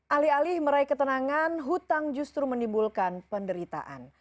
alih alih meraih ketenangan hutang justru menimbulkan penderitaan